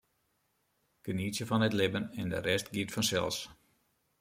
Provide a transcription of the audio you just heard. Genietsje fan it libben en de rest giet fansels.